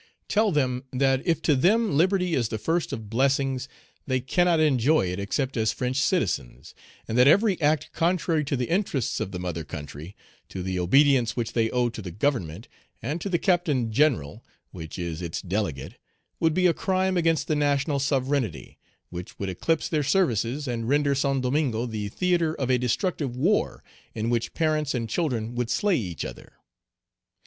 Tell them, that if to them liberty is the first of blessings, they cannot enjoy it except as French citizens, and that every act contrary to the interests of the mother country, to the obedience which they owe to the Government, and to the Captain General, which is its delegate, would be a crime against the national sovereignty, which would eclipse their services, and render Saint Domingo the theatre of a destructive war in which parents and children would slay each other.